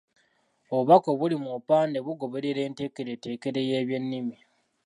Obubaka obuli mu bupande bugoberera enteekereteekere y’ebyennimi.